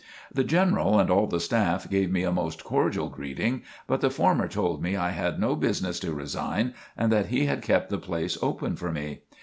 The General and all the staff gave me a most cordial greeting, but the former told me that I had no business to resign and that he had kept the place open for me.